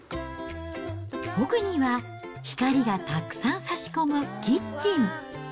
奥には光がたくさん差し込むキッチン。